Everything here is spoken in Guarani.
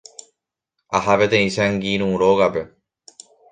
Aha peteĩ che angirũ rógape.